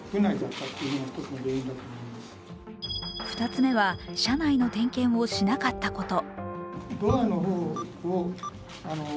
２つ目は、車内の点検をしなかったこと。